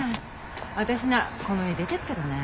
私ならこの家出て行くけどね。